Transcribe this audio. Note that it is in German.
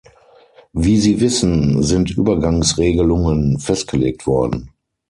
Wie Sie wissen, sind Übergangsregelungen festgelegt worden.